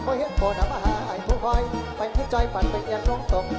เมื่อเห็นโปน้ำอาหารทุกรอยแฟนที่จ่อยปัดเป็นแยงลงตก